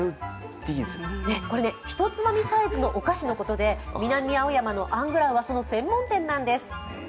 これね、ひとつまみサイズのお菓子のことで南青山のＵＮＧＲＡＩＮは、その専門店なんです。